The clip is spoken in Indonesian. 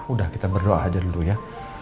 udah kita berdoa aja dulu ya